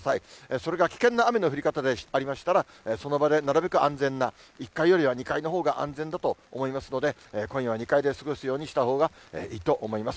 それが危険な雨の降り方でありましたら、その場でなるべく安全な、１階よりは２階のほうが安全だと思いますので、今夜は２階で過ごすようにしたほうがいいと思います。